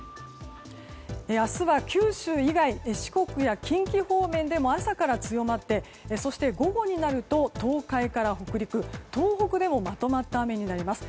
明日は九州以外四国や近畿方面でも朝から強まって、そして午後になると東海から北陸東北でもまとまった雨になります。